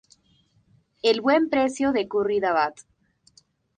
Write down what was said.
El Buen Precio de Curridabat.